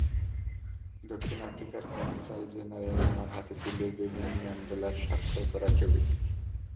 দক্ষিণ আফ্রিকার consul general আমার হাতে তুলে দিলেন ম্যান্ডেলার স্বাক্ষর করা ছবিটি।